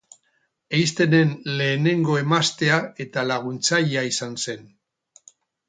Einsteinen lehenengo emaztea eta laguntzailea izan zen.